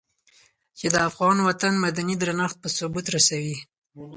چې د افغان وطن مدني درنښت په ثبوت رسوي.